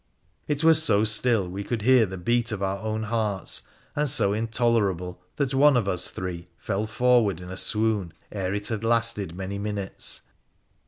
It was so still we could hear the beat of our own hearts, and so intolerable that one of us three fell forward in a swoon ere it had lasted many minutes.